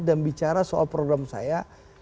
bicara soal program saya